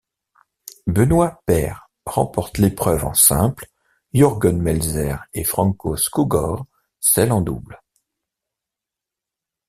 Benoît Paire remporte l'épreuve en simple, Jürgen Melzer et Franko Škugor celle en double.